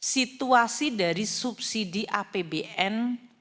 situasi dari subsidi apbn